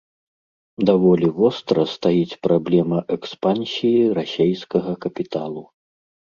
Даволі востра стаіць праблема экспансіі расейскага капіталу.